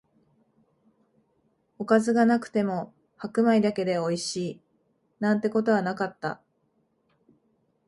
おかずがなくても白米だけでおいしい、なんてことはなかった